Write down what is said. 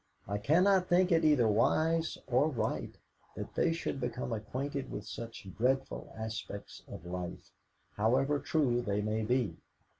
I cannot think it either wise or right that they should become acquainted with such dreadful aspects of life, however true they may be.